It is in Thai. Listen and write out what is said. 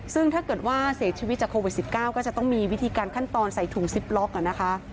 ซึ่งถ้าเกิดว่าเสียชีวิตจากโควิด๑๙ก็จะต้องมีวิธีการขั้นตอนใส่ถุงซิปล็อกนะคะ